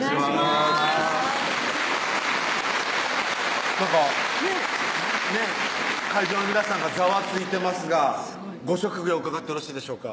お願いしますなんかねぇ会場の皆さんがざわついてますがご職業伺ってよろしいでしょうか？